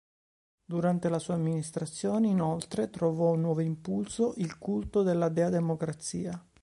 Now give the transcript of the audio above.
Durante la sua amministrazione, inoltre, trovò nuovo impulso il culto della dea Democrazia.